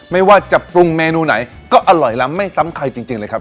ไม่ว่าจะปรุงเมนูไหนก็อร่อยล้ำไม่ซ้ำใครจริงเลยครับ